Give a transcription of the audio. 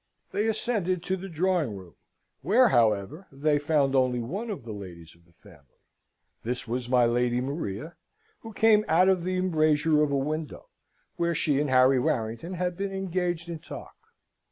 They ascended to the drawing room, where, however, they found only one of the ladies of the family. This was my Lady Maria, who came out of the embrasure of a window, where she and Harry Warrington had been engaged in talk.